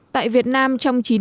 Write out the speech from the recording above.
tại việt nam trong chín tháng